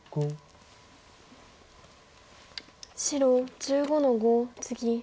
白１５の五ツギ。